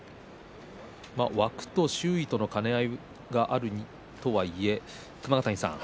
周囲との兼ね合いもあるとはいえ熊ヶ谷さん